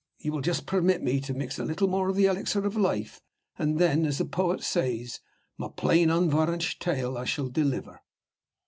You will just permit me to mix a little more of the elixir of life, and then, as the poet says, my plain unvarnished tale I shall deliver."